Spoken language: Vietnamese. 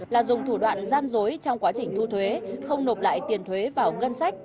là dùng thủ đoạn gian dối trong quá trình thu thuế không nộp lại tiền thuế vào ngân sách